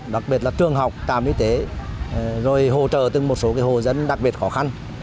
đặc biệt là trường học trạm y tế rồi hỗ trợ từng một số hồ dân đặc biệt khó khăn